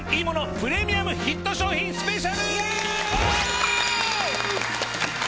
プレミアムヒット商品ＳＰ』スペシャル！